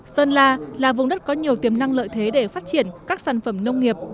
sơn la là vùng đất có nhiều tiềm năng lợi thế để phát triển các sản phẩm nông nghiệp